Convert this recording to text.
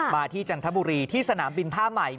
ที่จันทบุรีที่สนามบินท่าใหม่